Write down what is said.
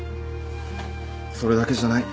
それだけじゃない。